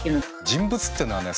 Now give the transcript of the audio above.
人物っていうのはね